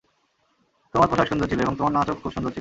তোমার পোষাক সুন্দর ছিল, এবং তোমার নাচও খুব সুন্দর ছিল।